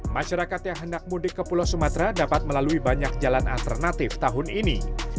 masyarakat yang hendak mudik ke pulau sumatera dapat melalui banyak jalan alternatif tahun ini